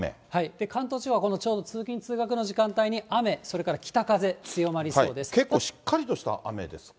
関東地方は、このちょうど通勤・通学の時間帯に、雨、それから北風、強まりそ結構しっかりとした雨ですか。